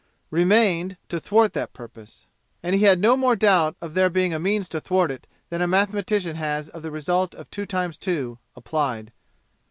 Remained, to thwart that purpose. And he had no more doubt of there being a means to thwart it than a mathematician has of the result of two times two, applied.